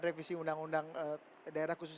revisi undang undang daerah khusus